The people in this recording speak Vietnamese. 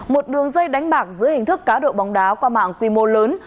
một đường dây đánh bạc dưới hình thức cá độ bóng đá qua mạng quy mô lớn